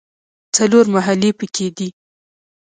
څلور محلې په کې دي.